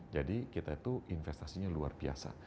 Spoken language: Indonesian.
jadi kita itu investasinya luar biasa